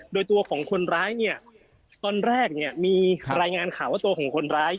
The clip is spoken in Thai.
โดยตัวของคนร้ายเนี่ยตอนแรกเนี่ยมีรายงานข่าวว่าตัวของคนร้าย